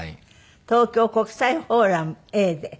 東京国際フォーラムＡで。